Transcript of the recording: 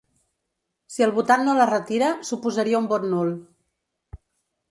Si el votant no la retira, suposaria un vot nul.